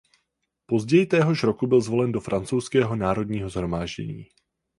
Později téhož roku byl zvolen do francouzského Národního shromáždění.